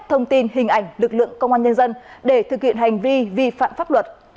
thông tin hình ảnh lực lượng công an nhân dân để thực hiện hành vi vi phạm pháp luật